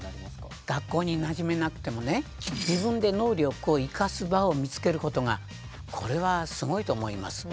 学校になじめなくてもね自分で能力を生かす場を見つけることがこれはすごいと思います。